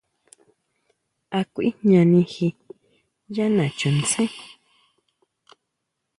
¿A kuijñani ji yá nachuntsén?